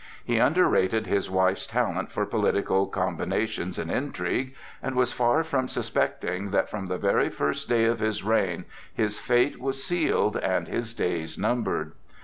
He underrated his wife's talent for political combinations and intrigue, and was far from suspecting that from the very first day of his reign his fate was sealed and his days numbered.